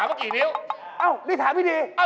พี่กลับบ้านแล้ว